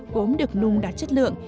gốm được nung đạt chất lượng